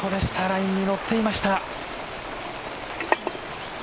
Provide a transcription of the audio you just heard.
ラインに乗っていました。